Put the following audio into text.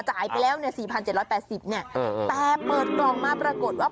จ่ายไปแล้ว๔๗๘๐บาทแต่เปิดกล่องมาปรากฏว่า